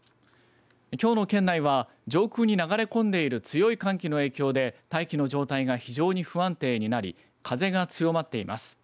きょうの県内は上空に流れ込んでいる強い寒気の影響で大気の状態が非常に不安定になり風が強まっています。